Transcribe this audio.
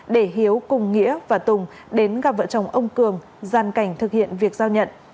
để hiếu cùng nghĩa và tùng đến gặp vợ chồng ông cường gian cảnh thực hiện việc giao nhận